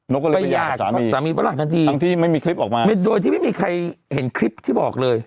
ก็เลยไปหย่าสามีฝรั่งทันทีทั้งที่ไม่มีคลิปออกมาโดยที่ไม่มีใครเห็นคลิปที่บอกเลย